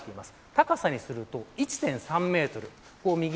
高さにすると１．３メートル。